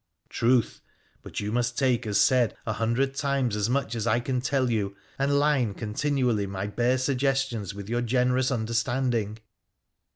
Truth ! But you must take as said a hundred times as much as I can tell you, and line continually my bare suggestions with your generous understanding.